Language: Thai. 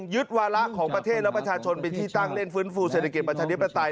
ยึดวาระของประเทศและประชาชนเป็นที่ตั้งเล่นฟื้นฟูเศรษฐกิจประชาธิปไตย